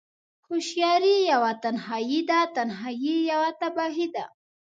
هوشیاری یوه تنهایی ده، تنهایی یوه تباهی ده